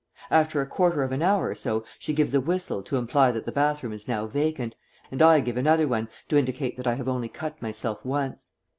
After a quarter of an hour or so she gives a whistle to imply that the bathroom is now vacant, and I give another one to indicate that I have only cut myself once.